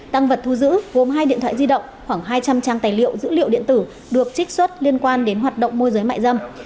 tăng vật thu giữ gồm hai điện thoại di động khoảng hai trăm linh trang tài liệu dữ liệu điện tử được trích xuất liên quan đến hoạt động môi giới mại dâm